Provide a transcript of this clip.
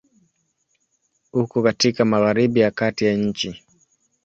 Uko katika Magharibi ya kati ya nchi.